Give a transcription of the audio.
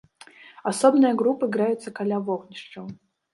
Асобныя групы грэюцца каля вогнішчаў.